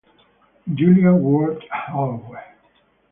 Julia Ward Howe